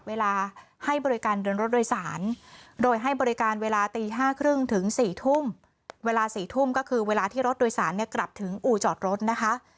เวลา๔๐๐ก็คือเวลาที่รถโดยสารกลับถึงอู่จอดรถนะคะ